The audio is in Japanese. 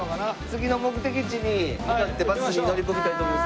次の目的地に向かってバスに乗り込みたいと思います。